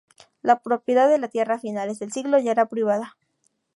La propiedad de la tierra a finales del siglo ya era privada.